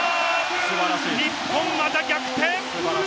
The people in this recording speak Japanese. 日本、また逆転！